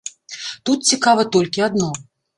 Тут цікава толькі адно.